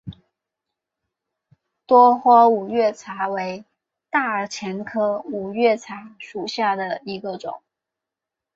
多花五月茶为大戟科五月茶属下的一个种。